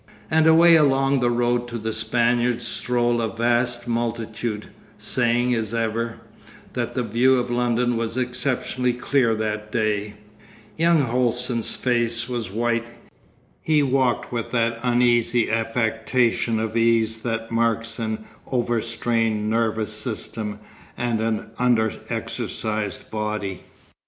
And away along the road to the Spaniards strolled a vast multitude, saying, as ever, that the view of London was exceptionally clear that day. Young Holsten's face was white. He walked with that uneasy affectation of ease that marks an overstrained nervous system and an under exercised body.